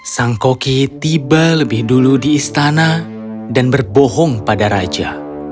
sang koki tiba lebih dulu di istana dan berbohong pada raja